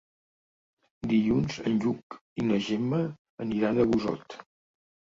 Dilluns en Lluc i na Gemma aniran a Busot.